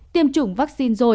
tiêm chủng vắc xin